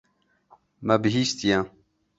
Me bihîstiye.